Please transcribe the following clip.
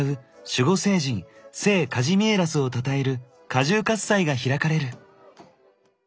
守護聖人聖カジミエラスをたたえるカジューカス祭が開かれる。